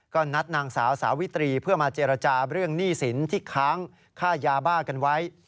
ก็นัดนางสาวสาวิตรีเพื่อมาเจรจาเรื่องหนี้สินที่ค้างค่ายาบ้ากันไว้